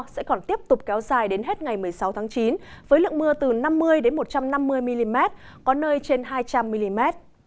sẽ còn tiếp tục kéo dài đến hết ngày một mươi sáu tháng chín với lượng mưa từ năm mươi một trăm năm mươi mm có nơi trên hai trăm linh mm